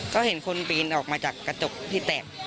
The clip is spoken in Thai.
ก็เห็นคนปีนออกมาจากกระจกที่แตก